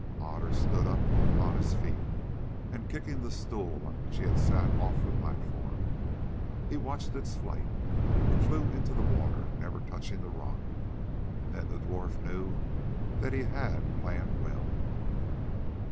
Otter stood up upon his feet, and kicking the stool on which he had sat off the platform, he watched its flight. It flew into the water, never touching the rock, and then the dwarf knew that he had planned well.